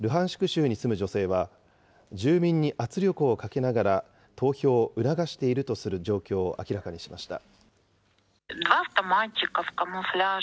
州に住む女性は、住民に圧力をかけながら、投票を促しているとする状況を明らかにしました。